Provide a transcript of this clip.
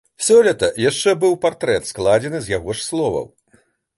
Сёлета яшчэ быў партрэт, складзены з яго ж словаў.